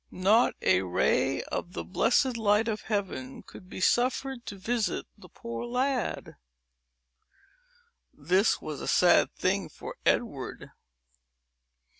Not a ray of the blessed light of Heaven could be suffered to visit the poor lad. This was a sad thing for Edward!